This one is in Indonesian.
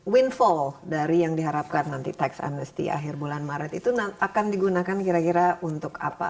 windfall dari yang diharapkan nanti tax amnesty akhir bulan maret itu akan digunakan kira kira untuk apa